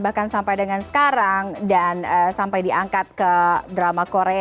bahkan sampai dengan sekarang dan sampai diangkat ke drama korea